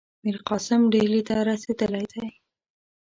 میرقاسم ډهلي ته رسېدلی دی.